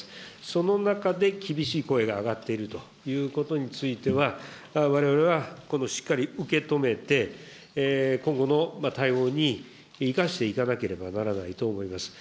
その中で厳しい声が上がっているということについては、われわれはしっかり受け止めて、今後の対応に生かしていかなければならないと思っております。